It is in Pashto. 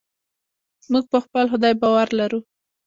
موږ په خپل خدای باور لرو.